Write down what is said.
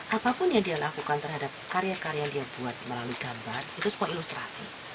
apapun yang dia lakukan terhadap karya karya yang dia buat melalui gambar itu semua ilustrasi